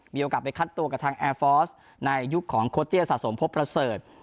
มีโอกาสไปคัดตัวกับทางแอร์ฟอร์สในยุคของโคเตี้ยสะสมพบประเสริฐ